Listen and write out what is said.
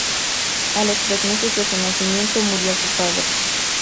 A los tres meses de su nacimiento murió su padre.